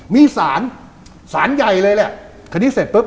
มีศาลศาลใหญ่เลยละคันนี้เสร็จป้บ